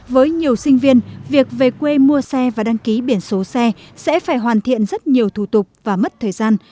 với nhiều sinh viên việc về quê mua xe và đăng ký biển số xe sẽ phải hoàn thiện rất nhiều thủ tục và mất thời gian